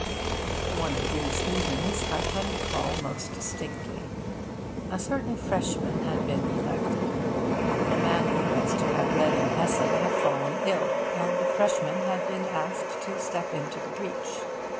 One of these evenings I can recall most distinctly. A certain freshman had been elected. The man who was to have read an essay had fallen ill, and the freshman had been asked to step into the breach.